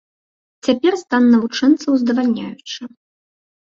Цяпер стан навучэнцаў здавальняючы.